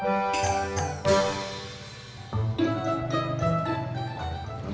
cuma naprak pintu